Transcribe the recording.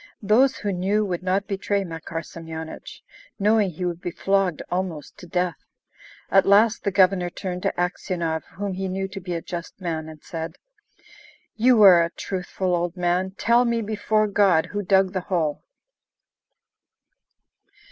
Those who knew would not betray Makar Semyonich, knowing he would be flogged almost to death. At last the Governor turned to Aksionov whom he knew to be a just man, and said: "You are a truthful old man; tell me, before God, who dug the hole?"